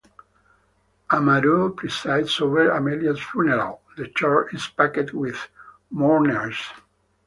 Amaro presides over Amelia's funeral; the church is packed with mourners.